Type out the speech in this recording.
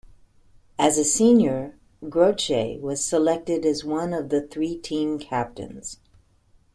As a senior, Groce was selected as one of the three team captains.